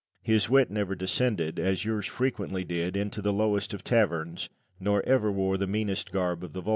His wit never descended, as yours frequently did, into the lowest of taverns, nor ever wore the meanest garb of the vulgar.